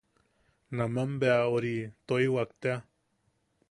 Naman bea... oriu... toiwak tea.